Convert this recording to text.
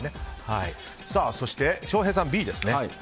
そして、翔平さんはＢですね。